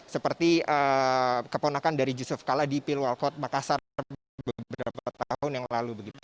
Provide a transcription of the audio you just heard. seperti keponakan dari yusuf kalla di pilwal kot makassar beberapa tahun yang lalu